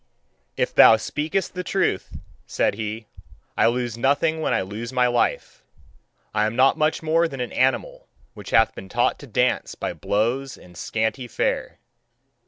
"If thou speakest the truth," said he, "I lose nothing when I lose my life. I am not much more than an animal which hath been taught to dance by blows and scanty fare."